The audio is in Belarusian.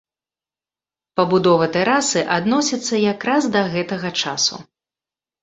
Пабудова тэрасы адносіцца якраз да гэтага часу.